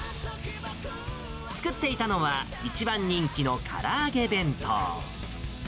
作っていたのは一番人気のから揚げ弁当。